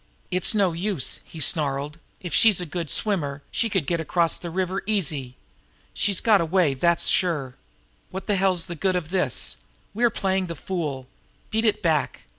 "It's no use!" he snarled. "If she's a good swimmer, she could get across the river easy. She's got away; that's sure. What the hell's the good of this? We're playing the fool. Beat it back!